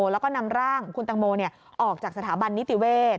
แล้วก็นำร่างคุณตังโมออกจากสถาบันนิติเวศ